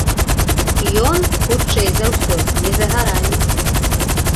Ён, хутчэй за ўсё, не за гарамі.